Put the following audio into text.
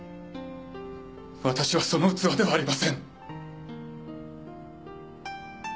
私はその器ではありません。